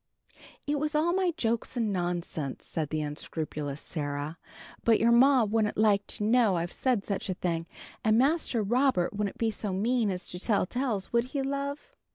"It was all my jokes and nonsense," said the unscrupulous Sarah, "But your ma wouldn't like to know I've said such a thing. And Master Robert wouldn't be so mean as to tell tales, would he, love?"